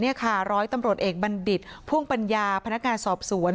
นี่ค่ะร้อยตำรวจเอกบัณฑิตพ่วงปัญญาพนักงานสอบสวน